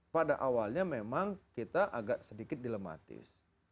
pada awalnya memang kita agak sedikit dilematis